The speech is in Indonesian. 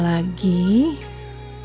orang lain di hati mereka